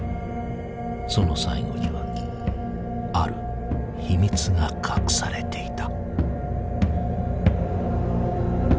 その最期にはある秘密が隠されていた。